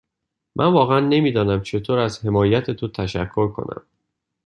من واقعا نمی دانم چطور از حمایت تو تشکر کنم.